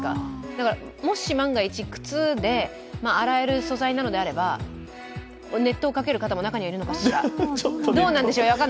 だからもし万が一、靴で洗える素材なのであれば、熱湯をかける方も中にはいらっしゃるのかしら。